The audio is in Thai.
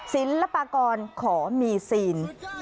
ศิลปากรขอมีซีน